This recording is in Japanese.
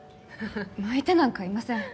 向いてなんかいません